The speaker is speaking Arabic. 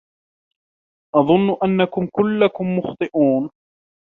أظن أنكم كلكم مخطئون.